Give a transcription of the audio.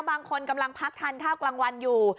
บางคนกำลังพักทานข้าวกลางวันอยู่